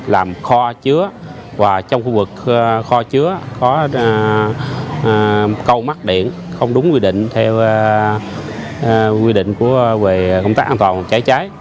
làm kho chứa và trong khu vực kho chứa có câu mắc điện không đúng quy định theo quy định về công tác an toàn phòng cháy cháy